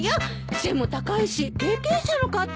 背も高いし経験者の方？